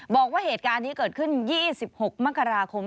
บอกว่าเหตุการณ์นี้เกิดขึ้น๒๖มกราคม